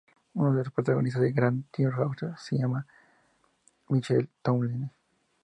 Uno de los protagonistas de Grand Theft Auto V se llama Michael Townley.